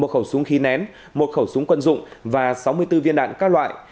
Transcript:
một khẩu súng khí nén một khẩu súng quân dụng và sáu mươi bốn viên đạn các loại